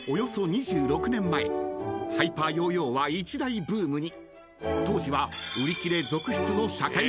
２６年前ハイパーヨーヨーは一大ブームに］